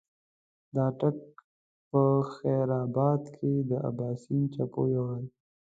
د اټک په خېبر اباد کې د اباسین څپو یوړل.